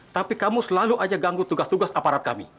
tapi kamu selalu aja ganggu tugas tugas aparat kami